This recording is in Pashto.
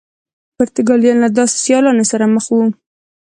پرتګالیان له داسې سیالانو سره مخ وو.